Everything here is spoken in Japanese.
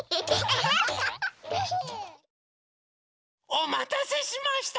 おまたせしました！